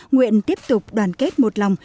nguyện tiếp tục đoàn kết một lòng